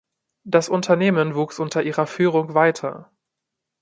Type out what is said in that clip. Das Unternehmen wuchs unter ihrer Führung weiter.